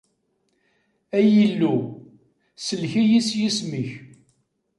Ay Illu! Sellek-iyi s yisem-ik.